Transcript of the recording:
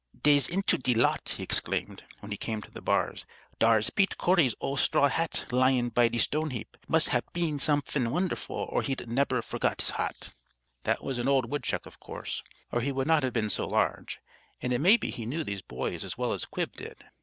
"Dey's into de lot!" he exclaimed, when he came to the bars. "Dar's Pete Corry's ole straw hat lyin' by de stone heap. Mus' hab been somefin' won'erful, or he'd nebber forgot his hat." That was an old woodchuck, of course, or he would not have been so large, and it may be he knew those boys as well as Quib did.